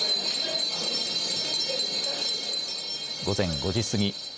午前５時過ぎ。